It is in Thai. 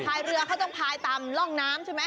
เรือเขาต้องพายตามร่องน้ำใช่ไหม